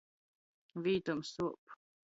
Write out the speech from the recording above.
Vītom suop.